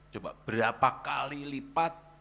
coba berapa kali lipat